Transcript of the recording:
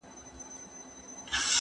زه مخکي سبزېجات وچولي وو!